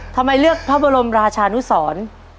ทำไมเลือกพระบรมราชานุสร